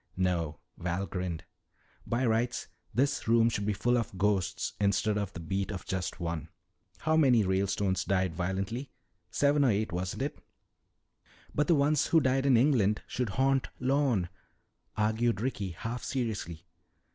"No," Val grinned. "By rights this room should be full of ghosts instead of the beat of just one. How many Ralestones died violently? Seven or eight, wasn't it?" "But the ones who died in England should haunt Lorne," argued Ricky, half seriously.